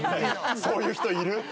そういう人いる。